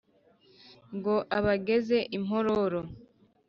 ngo abageze i mpororo